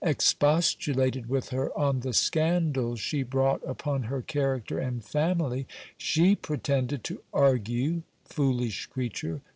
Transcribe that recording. expostulated with her on the scandals she brought upon her character and family, she pretended to argue (foolish creature!)